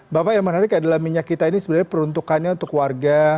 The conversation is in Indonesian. bapak yang menarik adalah minyak kita ini sebenarnya peruntukannya untuk warga